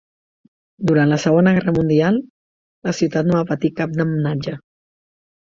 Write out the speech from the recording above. Durant la Segona Guerra Mundial, la ciutat no va patir cap damnatge.